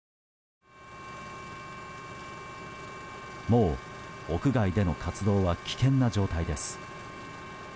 もう、屋外での活動は危険な状態です。